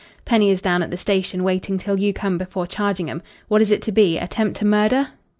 Penny is down at the station waiting till you come before charging 'em. What is it to be? Attempt to murder?"